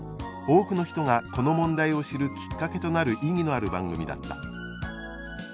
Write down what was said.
多くの人がこの問題を知るきっかけとなる意義のある番組だった」